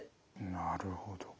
なるほど。